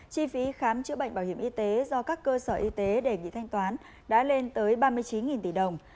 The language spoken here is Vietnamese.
chi phí khám chữa bệnh bảo hiểm y tế do các cơ sở y tế đề nghị thanh toán đã lên tới ba mươi chín tỷ đồng